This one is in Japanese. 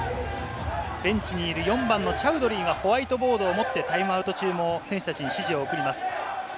スペイン代表、ベンチにいる４番のチャウドリーがホワイトボードを持ってタイムアウト中も選手に指示を送ります。